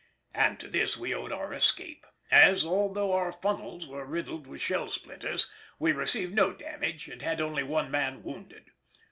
And to this we owed our escape, as, although our funnels were riddled with shell splinters, we received no damage and had only one man wounded.